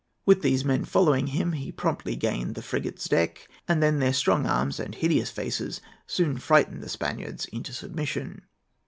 With these men following him he promptly gained the frigate's deck, and then their strong arms and hideous faces soon frightened the Spaniards into submission.